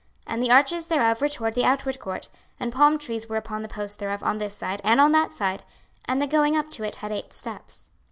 26:040:034 And the arches thereof were toward the outward court; and palm trees were upon the posts thereof, on this side, and on that side: and the going up to it had eight steps.